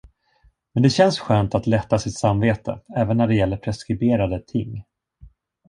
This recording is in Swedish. Men det känns skönt att lätta sitt samvete, även när det gäller preskriberade ting.